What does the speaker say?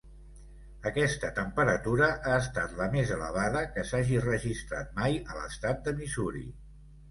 Aquesta temperatura ha estat la més elevada que s'hagi registrat mai a l'estat de Missouri.